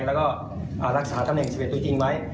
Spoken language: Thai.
แล้วก็รักษาตำแหน่ง๑๑ตัวจริงไว้